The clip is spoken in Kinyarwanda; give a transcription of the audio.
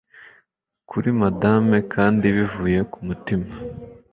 Kuri Madame kandi bivuye ku mutima